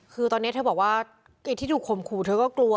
คือตอนนี้เธอบอกว่าไอ้ที่ถูกข่มขู่เธอก็กลัว